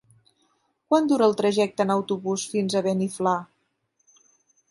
Quant dura el trajecte en autobús fins a Beniflà?